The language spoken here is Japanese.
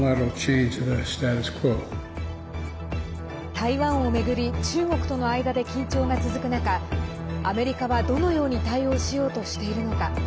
台湾を巡り中国との間で緊張が続く中アメリカはどのように対応しようとしているのか。